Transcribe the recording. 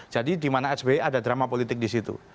jadi di mana sbi ada drama politik disitu